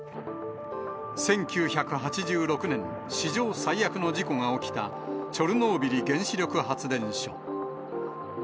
１９８６年、史上最悪の事故が起きたチョルノービリ原子力発電所。